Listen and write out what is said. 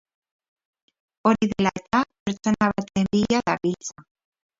Hori dela eta, pertsona baten bila dabiltza.